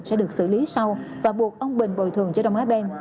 sẽ được xử lý sau và buộc ông bình bồi thường cho đông á ben